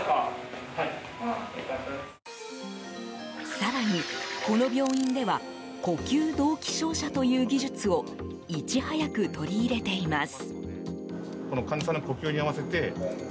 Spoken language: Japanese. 更に、この病院では呼吸同期照射という技術をいち早く取り入れています。